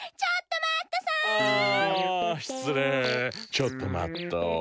ちょっと待っと！